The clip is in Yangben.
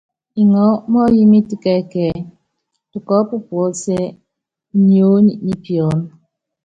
Ŋɔɔ́ mɔ́ɔyimɛt kɛ ɛkɛɛ́, tukɔɔp puɔ́sɛ́ niony ni piɔ́n.